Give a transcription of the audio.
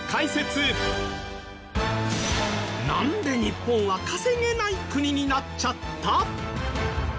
なんで日本は稼げない国になっちゃった？